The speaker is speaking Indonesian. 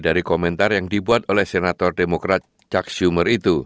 dari komentar yang dibuat oleh senator demokrat chuck schumer